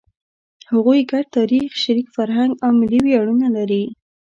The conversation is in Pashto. هغوی ګډ تاریخ، شریک فرهنګ او ملي ویاړونه لري.